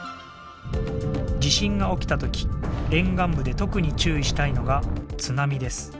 地震が起きた時沿岸部で特に注意したいのが津波です。